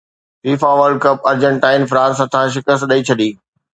FIFA world cup Argentina France هٿان شڪست ڏئي ڇڏي